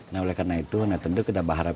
nah oleh karena itu tentu kita berharap